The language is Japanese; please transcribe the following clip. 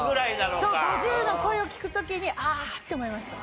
５０の声を聞く時にああって思いました。